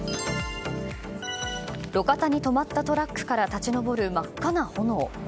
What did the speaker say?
路肩に止まったトラックから立ち上る真っ赤な炎。